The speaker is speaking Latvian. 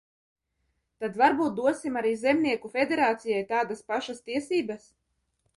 Tad varbūt dosim arī Zemnieku federācijai tādas pašas tiesības?